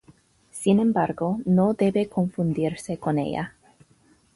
Sin embargo, no debe confundirse con ella.